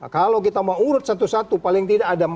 kalau kita mau urut satu satu paling tidak ada empat